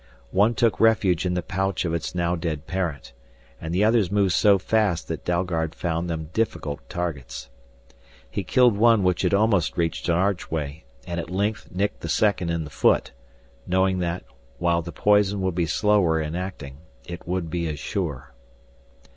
One took refuge in the pouch of its now dead parent, and the others moved so fast that Dalgard found them difficult targets. He killed one which had almost reached an archway and at length nicked the second in the foot, knowing that, while the poison would be slower in acting, it would be as sure.